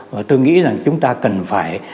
và tôi nghĩ là chúng ta cần phải